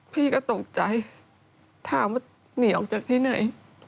พี่ก็ตกใจถามว่าหนีออกจากที่ไหน